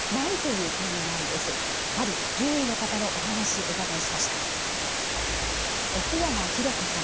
ある獣医の方のお話お伺いしました。